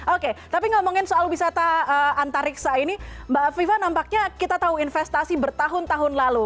oke tapi ngomongin soal wisata antariksa ini mbak viva nampaknya kita tahu investasi bertahun tahun lalu